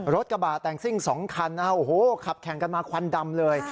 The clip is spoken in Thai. รถกระบาดแตงซิ่ง๒คันขับแข่งกันมาควันดำเลย